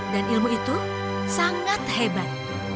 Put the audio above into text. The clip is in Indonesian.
dan ilmu itu sangat hebat